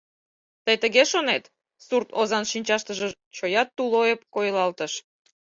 — Тый тыге шонет? — сурт озан шинчаштыже чоя тулойып койылалтыш.